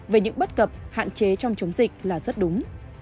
về những bất cập hạn chế trong chống dịch là rất đúng